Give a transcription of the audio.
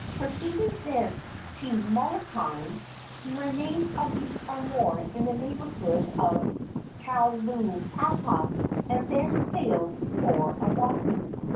Proceeding thence to Molokai, he remained a week or more in the neighborhood of Kalaupapa, and then sailed for Oahu.